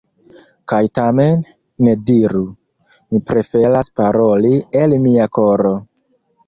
Kaj tamen, ne diru: “Mi preferas paroli el mia koro”.